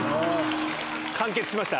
完結しました。